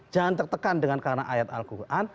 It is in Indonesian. jangan tertekan dengan karena ayat al quran